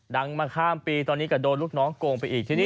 มาข้ามปีตอนนี้ก็โดนลูกน้องโกงไปอีกทีนี้